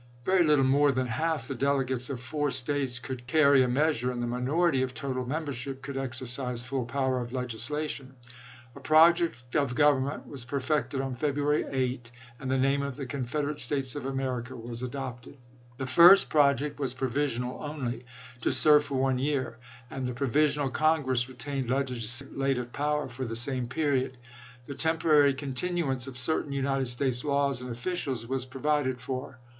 Very little more than half the delegates of four States could carry a measure, and the minority of total membership could exercise full power of leg islation. A project of government was perfected i86i. on February 8, and the name of the " Confederate States of America " was adopted. This first project was provisional only, to serve for one year ; and the Provisional Congress retained legislative power for the same period. The tem porary continuance of certain United States laws and officials was provided for.